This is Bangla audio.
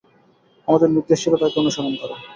আমাদের নির্দেশ ছিল তাকে অনুসরণ করা।